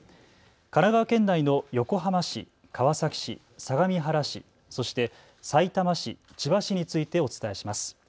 神奈川県内横浜市、川崎市、相模原市、そしてさいたま市、千葉市についてお伝えします。